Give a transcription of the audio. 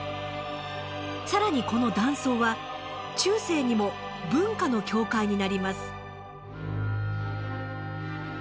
更にこの断層は中世にも文化の境界になります。